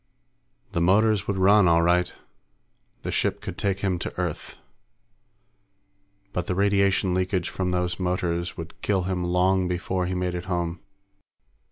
The motors would run, all right. The ship could take him to Earth. But the radiation leakage from those motors would kill him long before he made it home.